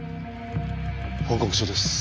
報告書です。